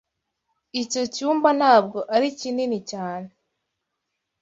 Icyo cyumba ntabwo ari kinini cyane.